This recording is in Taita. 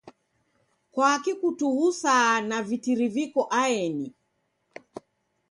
Kwaki kutughusaa na vitiri viko aeni?